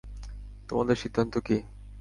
তোমাদের সিদ্ধান্ত কি?